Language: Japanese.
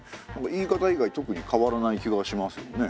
言い方以外特に変わらない気がしますよね。